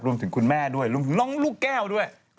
คุณแม่ด้วยรวมถึงน้องลูกแก้วด้วย